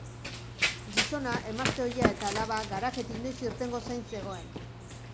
Gizona emazte ohia eta alaba garajetik noiz irtengo zain zegoen.